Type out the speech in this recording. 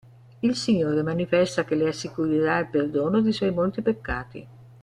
Il Signore manifesta che le assicurerà il perdono dei suoi molti peccati.